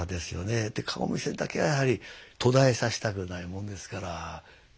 で顔見世だけはやはり途絶えさせたくないもんですから。